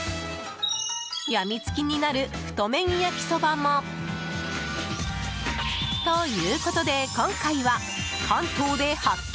やみつきになる太麺焼きそばも。ということで、今回は関東で発見！